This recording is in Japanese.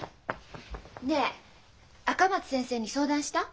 ねえ赤松先生に相談した？